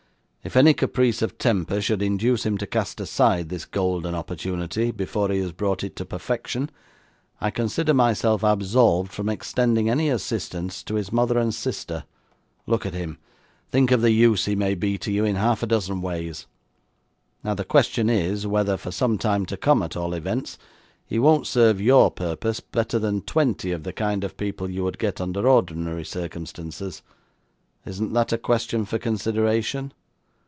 'If any caprice of temper should induce him to cast aside this golden opportunity before he has brought it to perfection, I consider myself absolved from extending any assistance to his mother and sister. Look at him, and think of the use he may be to you in half a dozen ways! Now, the question is, whether, for some time to come at all events, he won't serve your purpose better than twenty of the kind of people you would get under ordinary circumstances. Isn't that a question for consideration?